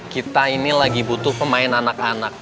kita ini lagi butuh pemain anak anak